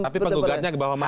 tapi penggugatnya ke bawah mana